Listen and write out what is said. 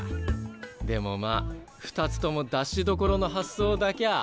でもまあ２つとも出しどころの発想だきゃあ